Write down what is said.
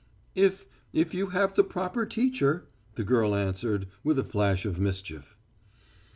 "If if you have the proper teacher," the girl answered, with a flash of mischief.